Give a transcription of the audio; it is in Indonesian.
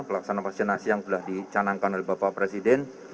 pelaksanaan vaksinasi yang telah dicanangkan oleh bapak presiden